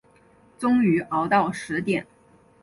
终于熬到十点